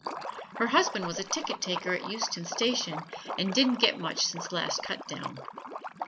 Her husband was a ticket taker at Euston Station, and didn't get much since last cutdown.